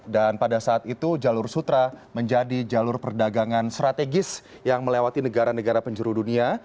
dan pada saat itu jalur sutra menjadi jalur perdagangan strategis yang melewati negara negara penjuru dunia